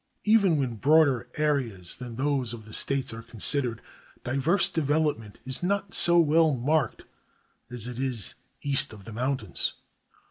Even when broader areas than those of the States are considered, diverse development is not so well marked as it is east of the mountains.